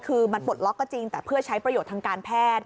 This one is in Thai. คือมันปลดล็อกก็จริงแต่เพื่อใช้ประโยชน์ทางการแพทย์